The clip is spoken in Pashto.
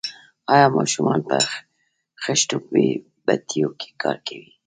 آیا ماشومان په خښتو بټیو کې کار کوي؟